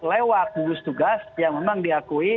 lewat gugus tugas yang memang diakui